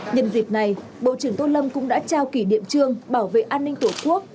nhân dịch này bộ trưởng tô lâm cũng đã trao kỷ niệm trương bảo vệ an ninh của quốc